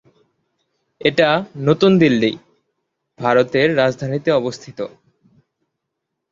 এটা নতুন দিল্লি, ভারতের রাজধানীতে অবস্থিত।